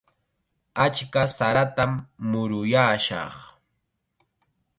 Achka saratam muruyaashaq.